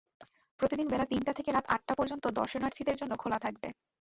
প্রতিদিন বেলা তিনটা থেকে রাত আটটা পর্যন্ত দর্শনার্থীদের জন্য খোলা থাকবে।